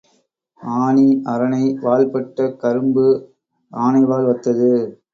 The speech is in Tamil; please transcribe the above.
ஆனி அரணை வால் பட்ட கரும்பு, ஆனை வால் ஒத்தது.